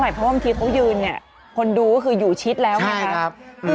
เพราะว่าบางทีเขายืนเนี่ยคนดูก็คืออยู่ชิดแล้วไงครับ